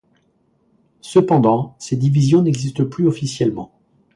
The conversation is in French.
Cependant, ces divisions n'existent plus officiellement.